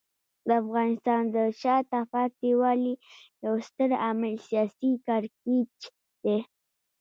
د افغانستان د شاته پاتې والي یو ستر عامل سیاسي کړکېچ دی.